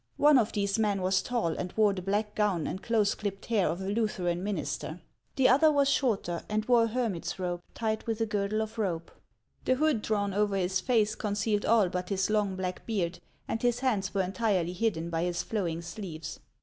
One of these men was tall, and wore the black gown and close clipped hair of a Lutheran minister ; the other was shorter, and wore a hermit's robe tied with a girdle of rope. The hood drawn over his face concealed all but his long black beard, and his hands were entirely hidden by his flowing sleeves.